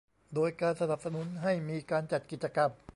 โดยการสนับสนุนให้มีการจัดกิจกรรม